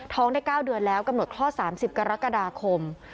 ได้๙เดือนแล้วกำหนดคลอด๓๐กรกฎาคม